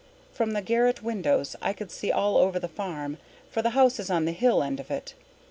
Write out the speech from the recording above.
From the garret windows I could see all over the farm, for the house is on the hill end of it.